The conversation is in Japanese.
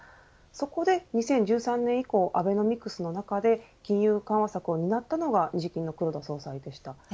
そこで２０１３年以降アベノミクスの中で金融緩和策を担ったのが日銀の黒田総裁でした。